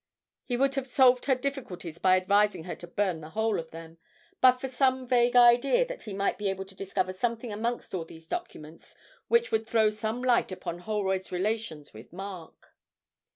He would have solved her difficulties by advising her to burn the whole of them, but for some vague idea that he might be able to discover something amongst all these documents which would throw some light upon Holroyd's relations with Mark.